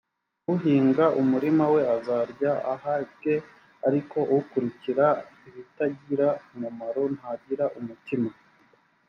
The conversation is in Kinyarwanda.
uhinga umurima we azarya ahage ariko ukurikira ibitagira umumaro ntagira umutima